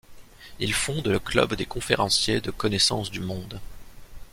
Il fonde le Club des conférenciers de Connaissance du Monde.